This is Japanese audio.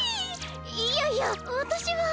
いやいや私は！